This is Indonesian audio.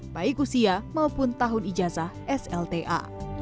baik usia maupun tahun ijazah slta